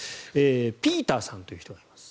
ピーターさんという人がいます。